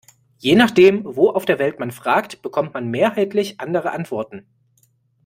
Je nachdem, wo auf der Welt man fragt, bekommt man mehrheitlich andere Antworten.